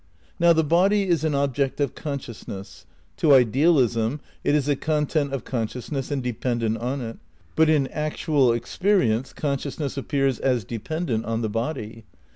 Now the body is an object of consciousness. To idealism it is a content of consciousness and dependent on it. But in actual experience consciousness appears as dependent on the body.